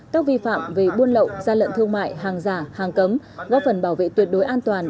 các vi phạm về buôn lậu gian lận thương mại hàng giả hàng cấm góp phần bảo vệ tuyệt đối an toàn